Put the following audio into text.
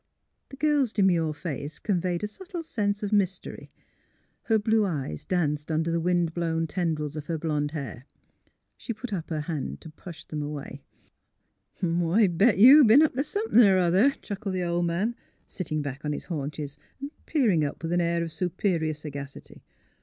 The girl's demure face conveyed a subtle sense of mystery; her blue eyes danced under the wind blown tendrils of her blond hair. She put up her hand to push them away. MILLY DRIVES THE COW 157 *' I bet you b'en up t' sometliing 'er otlier," chuckled tlie old man, sitting back on bis haunches and peering up with an air of superior sagacity.